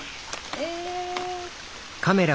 え。